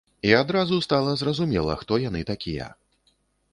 І адразу стала зразумела, хто яны такія.